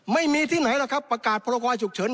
ไม่มีที่ไหนล่ะครับประกาศพรกรฉุกเฉิน